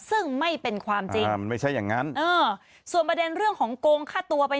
ซึ่งไม่เป็นความจริงอ่ามันไม่ใช่อย่างนั้นเออส่วนประเด็นเรื่องของโกงฆ่าตัวไป